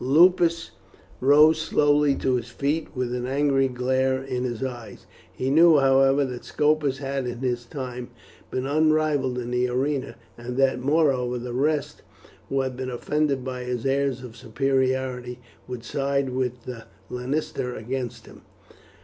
Lupus rose slowly to his feet with an angry glare in his eyes. He knew, however, that Scopus had in his time been unrivalled in the arena, and that, moreover, the rest, who had been offended by his airs of superiority, would side with the lanista against him.